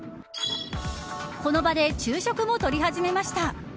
この場で昼食も取り始めました。